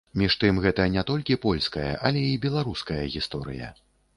Між тым, гэта не толькі польская, але і беларуская гісторыя.